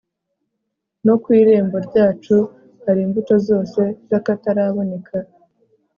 no ku irembo ryacu hari imbuto zose z'akataraboneka